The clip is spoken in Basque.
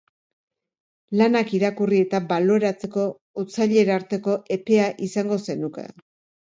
Lanak irakurri eta baloratzeko otsailerarteko epea izango zenuke